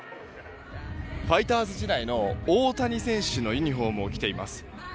ファイターズ時代の大谷選手のユニホームを着ているファンもいます。